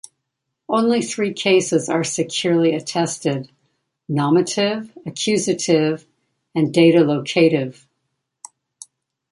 Only three cases are securely attested: nominative, accusative, and dative-locative.